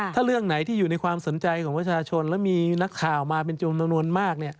ถ้าเรื่องไหนที่อยู่ในความสนใจของประชาชนแล้วมีนักข่าวมาเป็นจูมจำนวนมาก